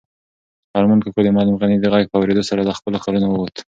ارمان کاکا د معلم غني د غږ په اورېدو سره له خپلو خیالونو ووت.